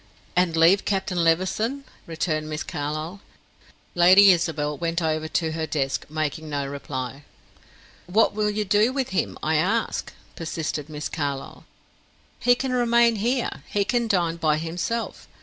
"And leave Captain Levison?" returned Miss Carlyle. Lady Isabel went over to her desk, making no reply. "What will you do with him, I ask?" persisted Miss Carlyle. "He can remain here he can dine by himself.